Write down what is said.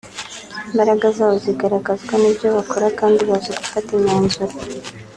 imbaraga zabo zigaragazwa n’ibyo bakora kandi bazi gufata imyanzuro